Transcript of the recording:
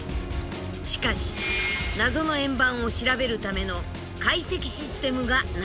しかし謎の円盤を調べるための解析システムがない。